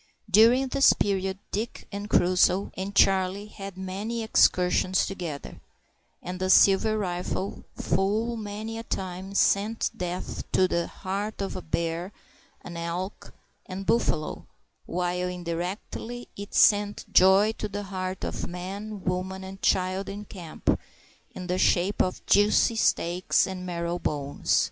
During this period, Dick, and Crusoe, and Charlie had many excursions together, and the silver rifle full many a time sent death to the heart of bear, and elk, and buffalo; while, indirectly, it sent joy to the heart of man, woman, and child in camp, in the shape of juicy steaks and marrow bones.